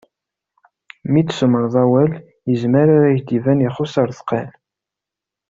Mi d-tsumreḍ awal, yezmer ad ak-d-iban ixuss ar deqqal.